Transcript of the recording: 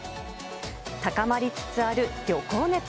高まりつつある旅行熱。